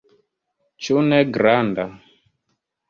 Ĉu ne granda?